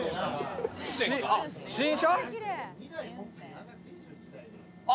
新車？